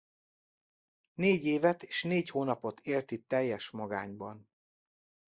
Négy évet és négy hónapot élt itt teljes magányban.